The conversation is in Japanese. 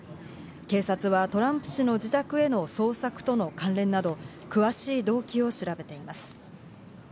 警察はトランプ氏の自宅への捜索との関連など、詳しい動機を調べています。